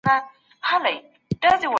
ځینې فشارونه لنډمهاله وي.